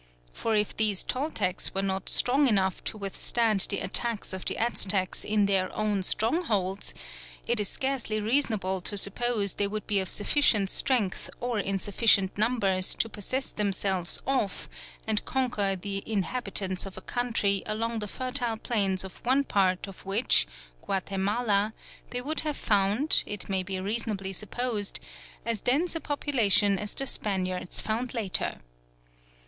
For if these Toltecs were not strong enough to withstand the attacks of the Aztecs in their own strongholds, it is scarcely reasonable to suppose they would be of sufficient strength or in sufficient numbers to possess themselves of and conquer the inhabitants of a country along the fertile plains of one part of which, Guatemala, they would have found, it may be reasonably supposed, as dense a population as the Spaniards found later.